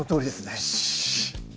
よし！